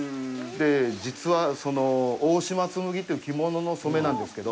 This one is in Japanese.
実は大島紬っていう着物の染めなんですけど。